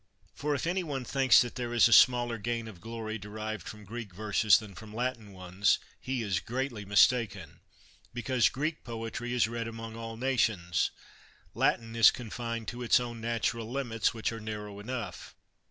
For if any one thinks that there is a smaller gain of glory derived from Greek verses than from Latin ones, he is greatly mistaken, because Greek poetry is read among all nations. Latin is confined to its own natural limits, which are narrow enough.